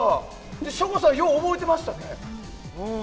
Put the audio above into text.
省吾さん、よう覚えてましたね。